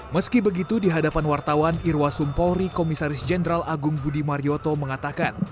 meski begitu di hadapan wartawan irwa sumpolri komisaris jenderal agung budi marioto mengatakan